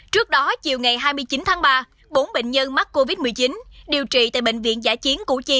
trước đó chiều ngày hai mươi chín tháng ba bốn bệnh nhân mắc covid một mươi chín điều trị tại bệnh viện giã chiến củ chi